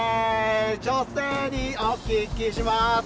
女性にお聞きします